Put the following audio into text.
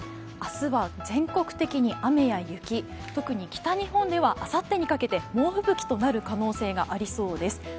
明日は全国的に雨や雪特に北日本ではあさってにかけて猛吹雪となる可能性がありそうです。